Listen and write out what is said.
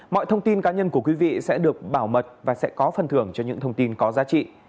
mọi thông tin cá nhân của quý vị sẽ được bảo mật và sẽ có phần thưởng cho những thông tin có giá trị